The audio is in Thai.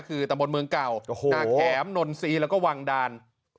คือตำบนเมืองเก่าโอ้โหหน้าแขมนนซีแล้วก็วางดาล